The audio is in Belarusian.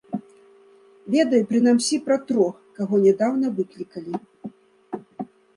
Ведаю прынамсі пра трох, каго нядаўна выклікалі.